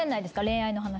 恋愛の話。